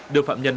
đưa phạm nhân lại